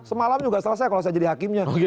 semalam juga selesai kalau saya jadi hakimnya